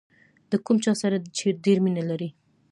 د کوم چا سره چې ډېره مینه لرئ.